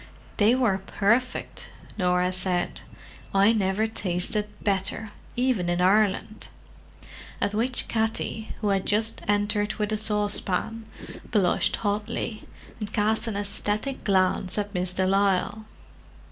"They were perfect," Norah said. "I never tasted better, even in Ireland." At which Katty, who had just entered with a saucepan, blushed hotly, and cast an ecstatic glance at Miss de Lisle.